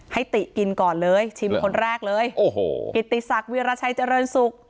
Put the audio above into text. ติกินก่อนเลยชิมคนแรกเลยโอ้โหกิติศักดิราชัยเจริญศุกร์